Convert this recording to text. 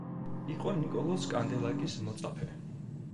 იყო ნიკოლოზ კანდელაკის მოწაფე.